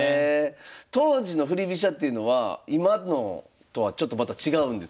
当時の振り飛車っていうのは今のとはちょっとまた違うんですか？